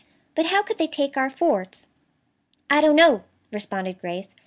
But how could they take our forts?" "I don't know," responded Grace.